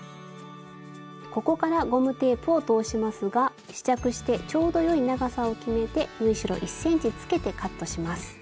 ここからゴムテープを通しますが試着してちょうどよい長さを決めて縫い代１ｃｍつけてカットします。